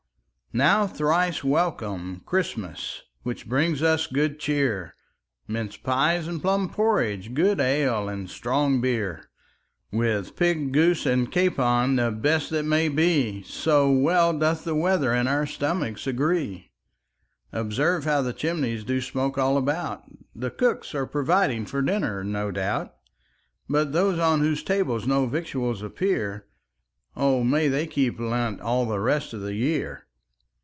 Now thrice welcome, Christmas, Which brings us good cheer, Minced pies and plum porridge, Good ale and strong beer; With pig, goose, and capon, The best that may be, So well doth the weather And our stomachs agree. Observe how the chimneys Do smoke all about; The cooks are providing For dinner, no doubt; But those on whose tables No victuals appear, O may they keep Lent All the rest of the year.